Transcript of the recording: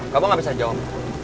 kamu gak bisa jawab